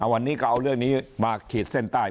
วันนี้ก็เอาเรื่องนี้มาขีดเส้นใต้